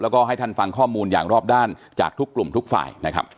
แล้วก็ให้ท่านฟังข้อมูลอย่างรอบด้านจากทุกกลุ่มทุกฝ่ายนะครับ